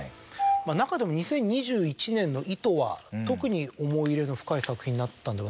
中でも２０２１年の『糸』は特に思い入れの深い作品になったんではないですか？